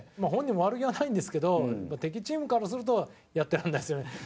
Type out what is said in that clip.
本人も悪気はないんですけど敵チームからするとやってらんないですよね。